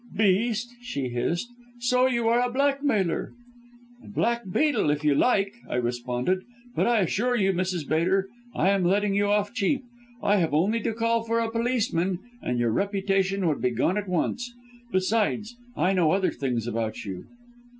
"'Beast!' she hissed, 'so you are a blackmailer!' "'A black beetle if you like,' I responded, 'but I assure you, Mrs. Bater, I am letting you off cheap. I have only to call for a policeman and your reputation would be gone at once. Besides, I know other things about you.'